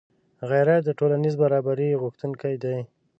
غیرت د ټولنیز برابري غوښتونکی دی